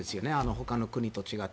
ほかの国と違った。